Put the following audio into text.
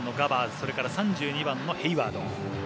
それから３２番のヘイワード。